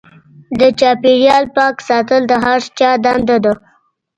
د چاپیریال پاک ساتل د هر چا دنده ده.